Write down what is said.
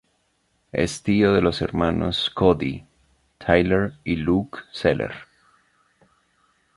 Es tío de los hermanos Cody, Tyler y Luke Zeller.